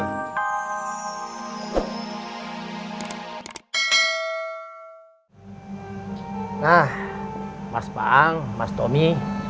nah mas baang mas tommy